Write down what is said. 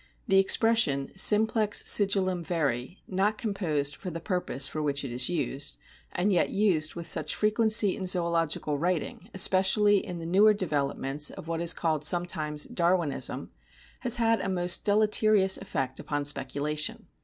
The expression "simplex sigillum veri," not composed for the purpose for which it is used, and yet used with such frequency in zoological writing, especially in the newer developments of what is called sometimes " Darwinism," has had a most deleterious effect upon speculation.